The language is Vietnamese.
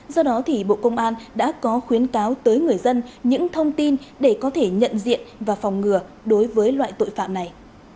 do đó thì bộ công an đã có khuyến cáo tới người dân những thông tin để có thể nhận diện và phòng ngừa đối với loại tội phạm này